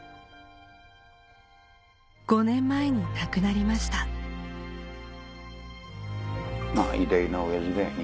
５年前に亡くなりました偉大な親父だよね